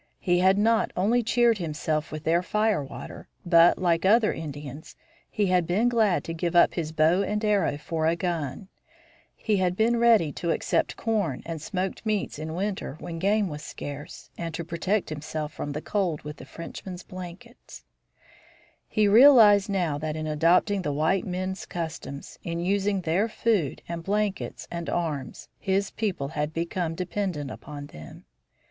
He had not only cheered himself with their firewater, but, like other Indians, he had been glad to give up his bow and arrow for a gun; he had been ready to accept corn and smoked meats in winter when game was scarce, and to protect himself from the cold with the Frenchmen's blankets. [Illustration: INDIAN WEAPON] He realized now that in adopting the white men's customs, in using their food and blankets and arms, his people had become dependent upon them.